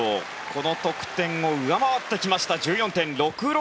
この得点を上回ってきました１４．６６６。